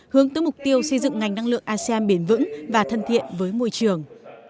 hướng tới mục tiêu xây dựng ngành năng lượng asean biển vững và thân thiện với môi trường